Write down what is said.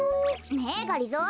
ねえがりぞー